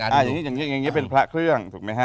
อย่างนี้เป็นพระเครื่องถูกไหมฮะ